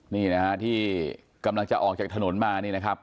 นี่นะฮะที่กำลังจะออกจากถนนมานี่นะครับ